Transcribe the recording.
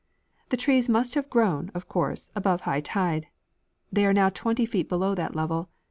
The trees must have grown, of course, above high tide; they are now twenty feet below that level.